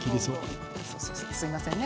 すいませんね